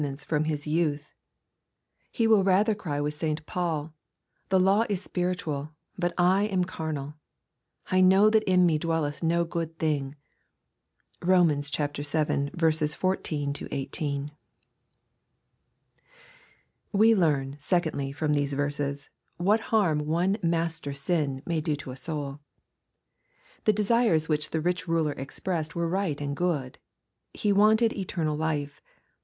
ments from his youth/' He will rather cry with St. Paul, " The law is spiritual, but I am carnal." " I know that in me dwelleth no good thing." (Kom. vii 14 18.) We learn, secondly, from these verses, what harm one master sin may do to a soul. The desires which the rich ruler expressed were right and good. He wanted "eternal life."